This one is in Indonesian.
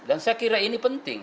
dan saya kira ini penting